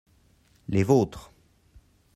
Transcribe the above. les vôtres.